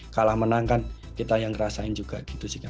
kalah menang kan kita yang ngerasain juga gitu sih